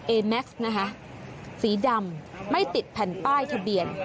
เอแม็กซ์นะคะสีดำไม่ติดแผ่นป้ายทะเบียน